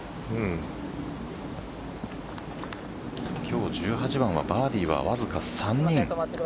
今日１８番はバーディーはわずか３人。